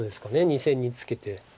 ２線にツケて。